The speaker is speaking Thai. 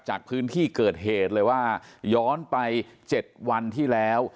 จากพื้นที่เกิดเหตุเลยว่าย้อนไป๗วันที่แล้ว